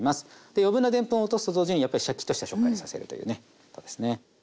余分なでんぷんを落とすと同時にやっぱりシャキッとした食感にさせるというねことですね。